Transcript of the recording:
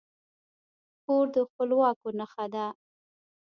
کور د خپلواکي نښه ده.